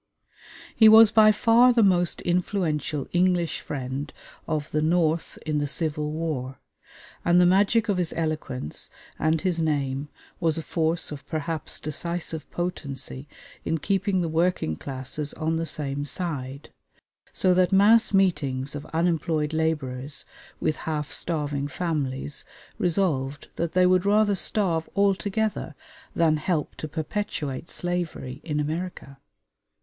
He was by far the most influential English friend of the North in the Civil War, and the magic of his eloquence and his name was a force of perhaps decisive potency in keeping the working classes on the same side; so that mass meetings of unemployed laborers with half starving families resolved that they would rather starve altogether than help to perpetuate slavery in America.